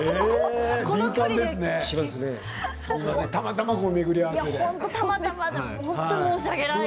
たまたま巡り会わせでね。